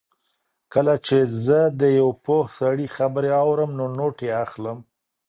کله چې زه د یو پوه سړي خبرې اورم نو نوټ یې اخلم.